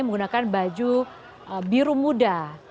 menggunakan baju biru muda